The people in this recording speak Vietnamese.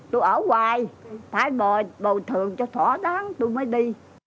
tôi ở hoài phải bộ thường cho thỏa đáng tôi mới đi